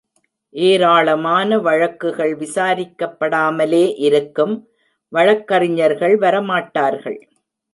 ஏராளமான வழக்குகள் விசாரிக்கப்படாமலே இருக்கும், வழக்கறிஞர்கள் வரமாட்டார்கள்.